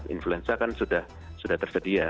influenza kan sudah tersedia